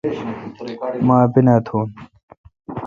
مہ اپینا تھون۔